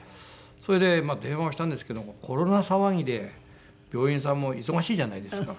それで電話をしたんですけどもコロナ騒ぎで病院さんも忙しいじゃないですか。